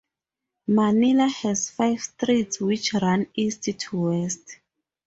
Manila has five streets which run east to west.